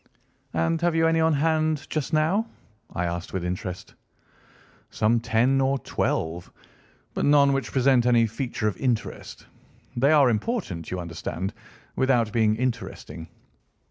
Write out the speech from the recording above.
"And have you any on hand just now?" I asked with interest. "Some ten or twelve, but none which present any feature of interest. They are important, you understand, without being interesting.